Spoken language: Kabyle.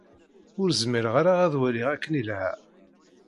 Ur zmireɣ ara ad waliɣ akken ilha.